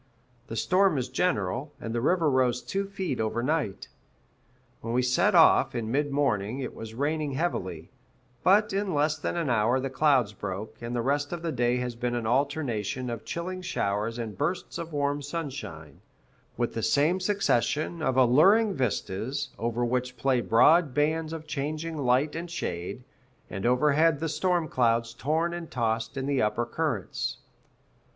The storm is general, and the river rose two feet over night. When we set off, in mid morning, it was raining heavily; but in less than an hour the clouds broke, and the rest of the day has been an alternation of chilling showers and bursts of warm sunshine, with the same succession, of alluring vistas, over which play broad bands of changing light and shade, and overhead the storm clouds torn and tossed in the upper currents.